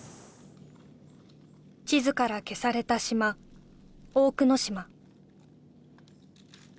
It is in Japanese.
地図から消された島大久野島